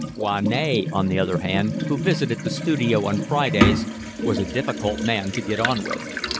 Foinet, on the other hand, who visited the studio on Fridays, was a difficult man to get on with.